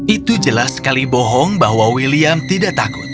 itu jelas sekali bohong bahwa william tidak takut